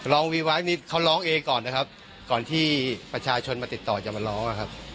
วีไวท์นี่เขาร้องเองก่อนนะครับก่อนที่ประชาชนมาติดต่อจะมาร้องนะครับ